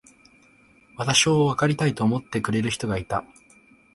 私をわかりたいと思ってくれる人がいた。